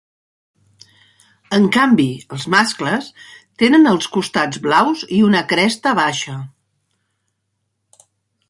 En canvi, els mascles, tenen els costats blaus i una cresta baixa.